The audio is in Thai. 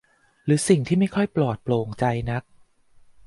หรือสิ่งที่ไม่ค่อยปลอดโปร่งใจนัก